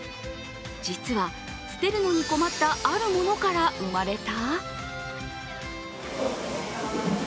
実は捨てるのに困ったあるものから生まれた？